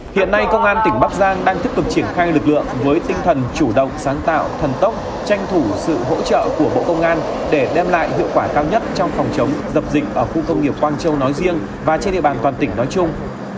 hiện nay công an tỉnh bắc giang đang tiếp tục triển khai lực lượng với tinh thần chủ động sáng tạo thần tốc tranh thủ sự hỗ trợ của bộ công an để đem lại hiệu quả cao nhất trong phòng chống dập dịch ở khu công nghiệp quang châu nói riêng và trên địa bàn toàn tỉnh nói chung